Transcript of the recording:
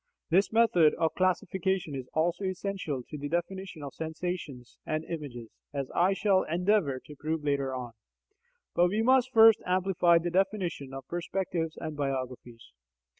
This method of classification is also essential to the definition of sensations and images, as I shall endeavour to prove later on. But we must first amplify the definition of perspectives and biographies.